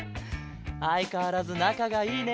あいかわらずなかがいいね。